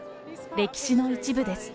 歴史の一部です。